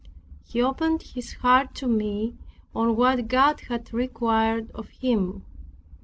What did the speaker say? He opened his heart to me on what God had required of him.